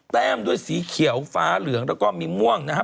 แต้มด้วยสีเขียวฟ้าเหลืองแล้วก็มีม่วงนะครับ